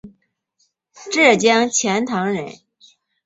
浙江钱塘人。